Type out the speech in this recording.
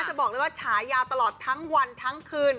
จะบอกเลยว่าฉายาวตลอดทั้งวันทั้งคืน